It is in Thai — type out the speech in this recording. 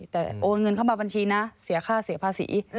แต่โอนเงินเข้ามาบัญชีนะเสียค่าเสียภาษี